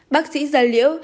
bác sĩ giả liễu